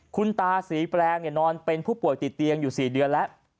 คุณตาศรีแปลงนอนเป็นผู้ป่วยติดเตียงอยู่๔เดือนแล้ว